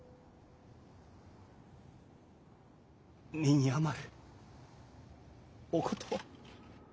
身に余るお言葉！